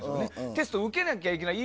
テストを受けなきゃいけない。